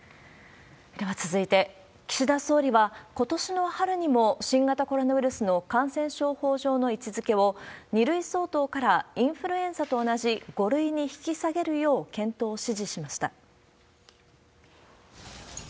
では続いて、岸田総理は、ことしの春にも新型コロナウイルスの感染症法上の位置づけを、２類相当からインフルエンザと同じ５類に引き下げるよう、検討を指示しました。